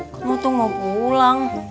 kamu tuh mau pulang